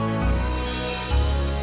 ujang lagi di rumah sakit